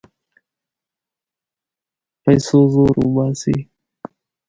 پیسو زور وباسي.